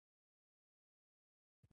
د عزم ارزښت د بریا سبب دی.